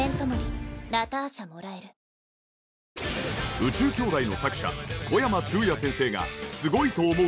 『宇宙兄弟』の作者小山宙哉先生がすごいと思う